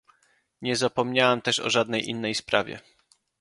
Nie zapomniałam też o żadnej innej sprawie